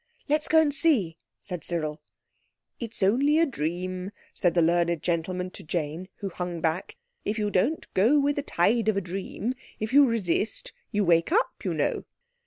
"Let's go and see," said Cyril. "It's only a dream," said the learned gentleman to Jane, who hung back; "if you don't go with the tide of a dream—if you resist—you wake up, you know."